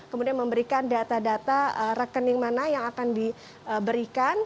kemudian memberikan data data rekening mana yang akan diberikan